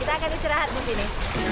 kita akan istirahat di sini